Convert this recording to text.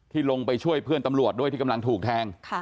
ลงไปช่วยเพื่อนตำรวจด้วยที่กำลังถูกแทง